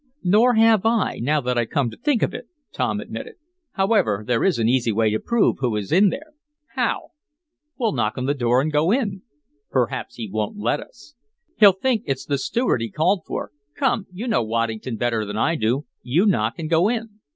"Nor have I, now that I come to think of it," Tom admitted. "However, there is an easy way to prove who is in there." "How?" "We'll knock on the door and go in." "Perhaps he won't let us." "He'll think it's the steward he called for. Come, you know Waddington better than I do. You knock and go in."